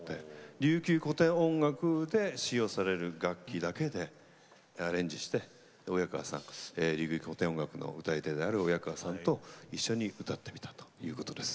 琉球古典音楽で使用される楽器だけでアレンジして親川さん琉球古典音楽の歌い手である親川さんと一緒に歌ってみたということです。